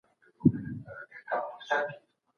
که همصنفي مرسته وکړي، زده کوونکی نه پاته کېږي.